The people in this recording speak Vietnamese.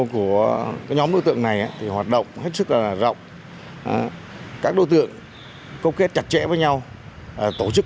của nhóm đối tượng này thì hoạt động hết sức rộng các đối tượng câu kết chặt chẽ với nhau tổ chức